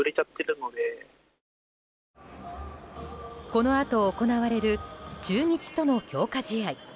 このあと行われる中日との強化試合。